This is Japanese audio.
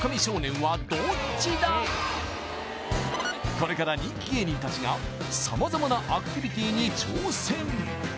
これから人気芸人たちが様々なアクティビティに挑戦